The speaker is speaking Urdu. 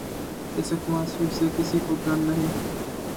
اس وقت نواز شریف سے کسی کو ڈر نہیں۔